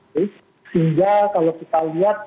sehingga kalau kita lihat